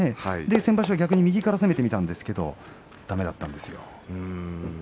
先場所、右から攻めてみたんですがだめだったんですよ。